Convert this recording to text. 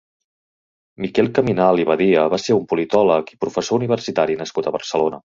Miquel Caminal i Badia va ser un politòleg i professor universitari nascut a Barcelona.